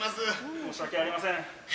申し訳ありません。